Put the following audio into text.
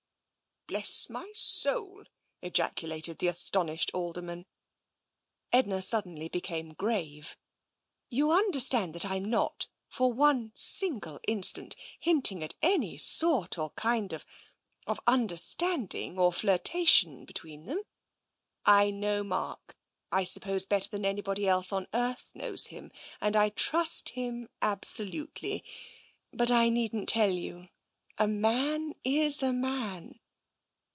" Bless my soul !" ejaculated the astonished Alder man. Edna suddenly became grave. " You understand that Fm not, for one single in stant, hinting at any sort or kind of — of understand ing or flirtation between them. I know Mark, I sup pose, better than anybody else on earth knows him, and I trust him absolutely. But I needn't tell you — a man is a man."